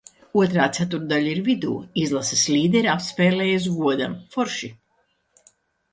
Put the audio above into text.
Otrā ceturtdaļa ir vidū. Izlases līdere atspēlējās godam. Forši!